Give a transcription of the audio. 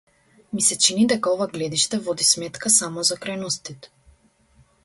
Ми се чини дека ова гледиште води сметка само за крајностите.